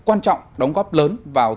quan trọng đóng góp lớn vào